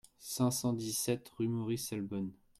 cinq cent dix-sept rue Maurice Selbonne